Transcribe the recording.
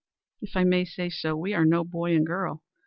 If I may say so, we are no boy and girl.